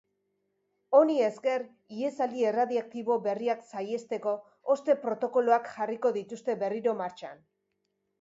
Honi esker, ihesaldi erradiaktibo berriak sahiesteko hozte protokoloak jarriko dituzte berriro martxan.